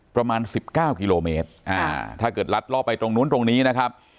ประมาณ๑๙กิโลเมตรอ่าถ้าเกิดลัดล่อไปตรงนู้นตรงนี้นะครับ